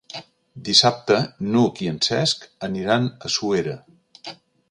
Dissabte n'Hug i en Cesc aniran a Suera.